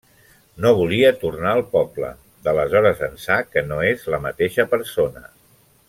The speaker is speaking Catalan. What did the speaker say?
No volia tornar al poble. D'aleshores ençà que no és la mateixa persona.